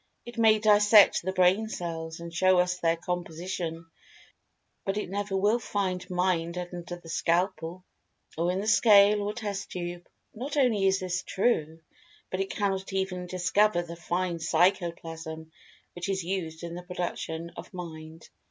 It may dissect the brain cells, and show us their composition, but it never will find Mind under the scalpel, or in the scale or test tube. Not only is this true, but it cannot even discover the fine Psychoplasm which is used in the production of Mind.